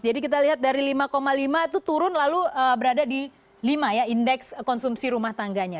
jadi kita lihat dari lima lima itu turun lalu berada di lima ya indeks konsumsi rumah tangganya